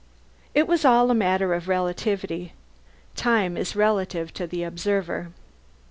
It was all a matter of relativity. Time is relative to the observer.